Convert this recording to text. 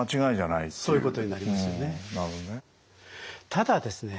ただですね